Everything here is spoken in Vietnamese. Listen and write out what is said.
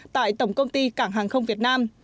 tại tổng công ty cảng hàng không việt nam